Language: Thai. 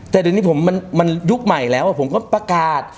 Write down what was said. แต่เดี๋ยวนี้ผมมันยุคใหม่แล้วผมก็ประกาศ